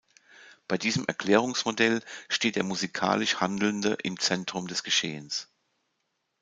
Bei diesem Erklärungsmodell steht der musikalisch Handelnde im Zentrum des Geschehens.